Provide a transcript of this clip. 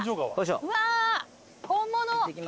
うわ本物。